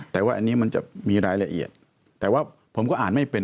แต่ว่าอันนี้มันจะมีรายละเอียดแต่ว่าผมก็อ่านไม่เป็น